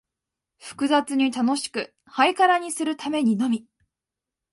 複雑に楽しく、ハイカラにするためにのみ、